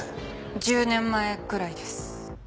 １０年前ぐらいです。